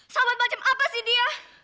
sahabat macam apa sih dia